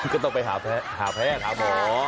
ก็ต้องไปหาแพทย์หาหมอ